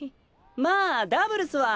まあダブルスは。